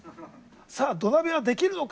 さあ土鍋はできるのか？